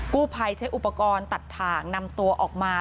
กู้ภัยใช้อุปกรณ์ตัดถ่างนำตัวออกมา